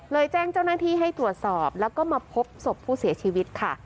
แจ้งเจ้าหน้าที่ให้ตรวจสอบแล้วก็มาพบศพผู้เสียชีวิตค่ะ